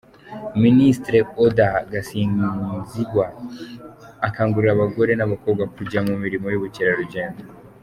Minisitiri Oda Gasinzigwa akangurira abagore n’abakobwa kujya mu mirimo y’ubukerarugendo.